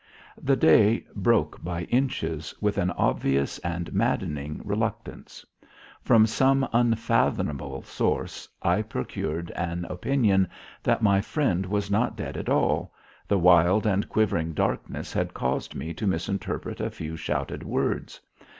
The day broke by inches, with an obvious and maddening reluctance. From some unfathomable source I procured an opinion that my friend was not dead at all the wild and quivering darkness had caused me to misinterpret a few shouted words.